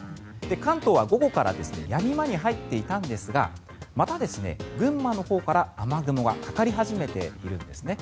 関東は午後からやみ間に入っていたんですがまた群馬のほうから雨雲がかかり始めているんですね。